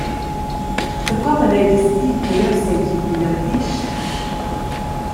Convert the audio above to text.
Daco manegias ti che jeu seigi in artist?